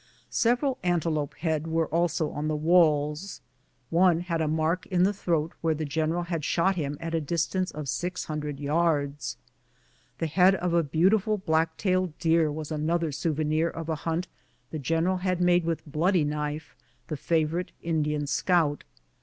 Several antelope heads were also on the walls. One had a mark in the throat where the general had shot him at a distance of six hundred yards. The head of a beautiful black tailed deer was another souvenir of a hunt the general had made with 176 BOOTS AND SADDLES. Bloody Knife, the favorite Indian scout.